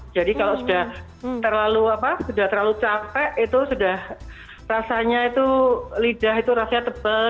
jadi kalau sudah terlalu capek itu sudah rasanya itu lidah itu rasanya tebal